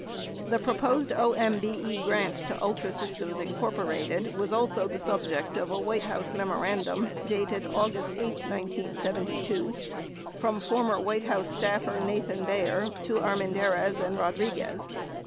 The proposed OMBE grant to Ultra Systems, Inc. was also the subject of a White House memorandum dated August 8, 1972, from former White House staffer Nathan Bayer to Armendariz and Rodriguez.